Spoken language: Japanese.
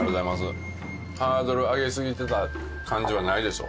ハードル上げすぎてた感じはないでしょ？